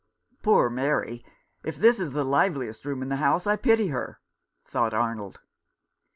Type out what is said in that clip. " Poor Mary ! if this is the liveliest room in the house, I pity her," thought Arnold.